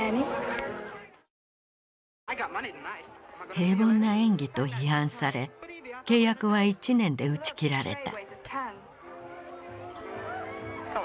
平凡な演技と批判され契約は１年で打ち切られた。